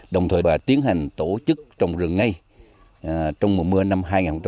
đồng thời tiến hành tổ chức trồng rừng ngay trong mùa mưa năm hai nghìn một mươi chín